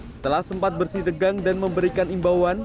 setelah sempat bersih degang dan memberikan imbauan